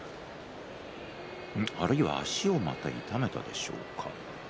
あるいは足をまた痛めたでしょうか。